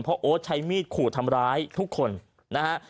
เพราะโอ๊ตใช้มีดขู่ทำร้ายทุกคนนะฮะ